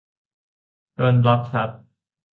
โดนบล็อคครับ